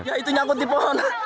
ya itu nyangkut di pohon